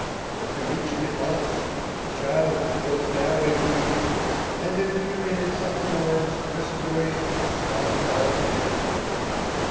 When he reached the house the child was barely breathing, and in a few minutes afterwards respiration stopped altogether.